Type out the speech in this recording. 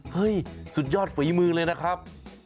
เห้ยสุดยอดฝนมือเลยนะครับ